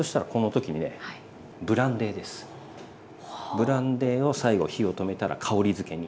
ブランデーを最後火を止めたら香りづけに。